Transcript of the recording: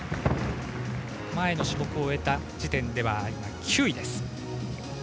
前の種目を終えた時点では９位。